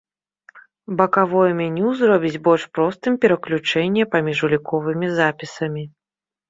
Бакавое меню зробіць больш простым пераключэнне паміж уліковымі запісамі.